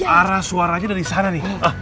arah suaranya dari sana nih